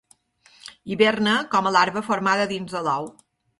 Hiberna com a larva formada dins de l'ou.